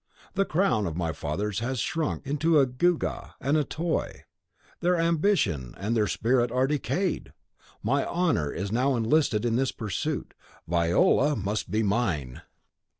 The crown of my fathers has shrunk into a gewgaw and a toy, their ambition and their spirit are undecayed! My honour is now enlisted in this pursuit, Viola must be mine!"